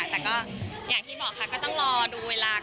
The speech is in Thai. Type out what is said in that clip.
แต่ก็อย่างที่บอกค่ะก็ต้องรอดูเวลา